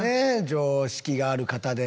常識がある方で。